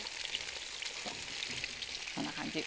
こんな感じ。